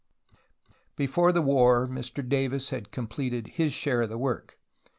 Before the war Mr Davis had completed his share of the work.